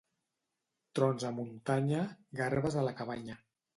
Trons a muntanya, garbes a la cabanya.